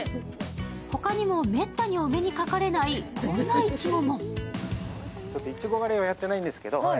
他にもめったにお目にかかれないこんないちごも。